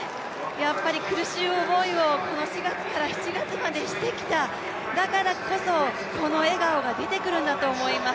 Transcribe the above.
やっぱり苦しい思いをこの４月から７月までしてきた、だからこそこの笑顔が出てくるんだと思います。